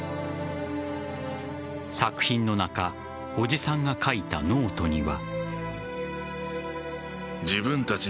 作品の中叔父さんが書いたノートには。